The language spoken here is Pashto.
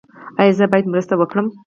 ایا زه باید مرسته وکړم؟